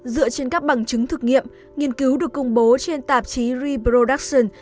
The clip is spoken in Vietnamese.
dựa trên các bằng chứng thực nghiệm nghiên cứu được công bố trên tạp chí ribroduction